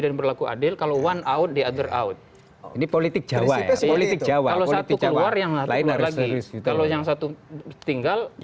terima kasih toto baksin